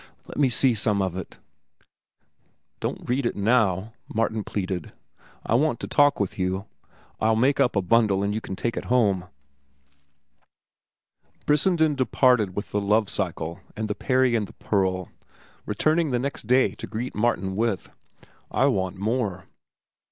"Let me see some of it." "Don't read it now," Martin pleaded. "I want to talk with you. I'll make up a bundle and you can take it home." Brissenden departed with the "Love cycle," and "The Peri and the Pearl," returning next day to greet Martin with: "I want more."